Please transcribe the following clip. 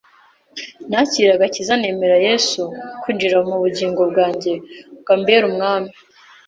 nakiriye agakiza nemera Yesu kwinjira mu bugingo bwanjye ngo ambere Umwami